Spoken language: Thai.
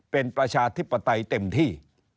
เป็นประชาธิปไตยเต็มที่